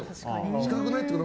自覚がないっていうか